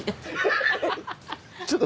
ちょっと。